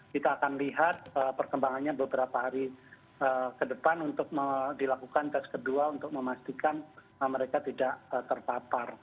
kita akan lihat perkembangannya beberapa hari ke depan untuk dilakukan tes kedua untuk memastikan mereka tidak terpapar